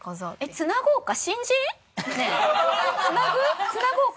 つなごうか？